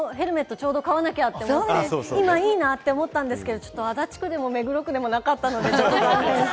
ちょうど買わなきゃと思って、今いいなって思ったんですけど、ちょっと足立区でも目黒区でもなかったので、ちょっと残念。